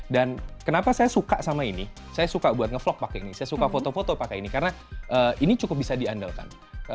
dan kenapa saya suka sama ini saya suka buat ngevlog pakai ini saya suka foto foto pakai ini karena ini cukup bisa diandalkan